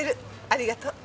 ありがとう。